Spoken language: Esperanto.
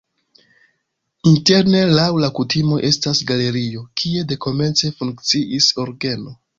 Interne laŭ la kutimoj estas galerio, kie dekomence funkciis orgeno.